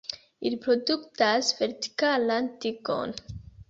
Ili produktas vertikalan tigon.